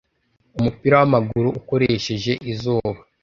umupira wamaguru ukoresheje izuba,